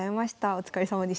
お疲れさまでした。